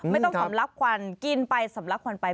ไม่ต้องสำลักควันกินไปสำลักควันไป